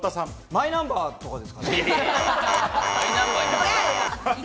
マイナンバーとかですか？